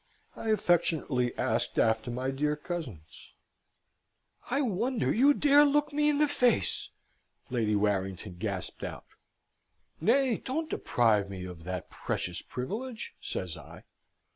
I affectionately asked after my dear cousins. "I I wonder you dare look me in the face!" Lady Warrington gasped out. "Nay, don't deprive me of that precious privilege!" says I.